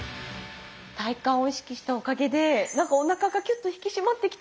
体幹を意識したおかげでおなかがキュッと引き締まってきた気がするわ。